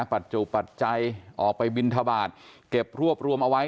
ปัจจุปัจจัยออกไปบินทบาทเก็บรวบรวมเอาไว้